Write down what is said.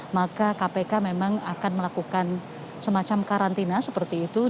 maka kpk memang akan melakukan semacam karantina seperti itu